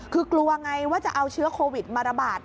คือกลัวไงว่าจะเอาเชื้อโควิดมาระบาด